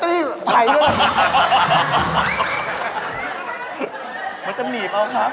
แต่ว่าขายรัตตรีทายด้วย